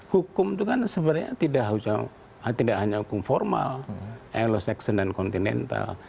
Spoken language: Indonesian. hukum itu kan sebenarnya tidak hanya hukum formal elo section dan kontinental